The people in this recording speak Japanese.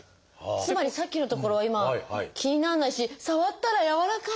つまりさっきの所は今気にならないし触ったら柔らかい！